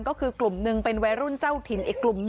ก็คือกลุ่มนึงเป็นวัยรุ่นเจ้าถิ่น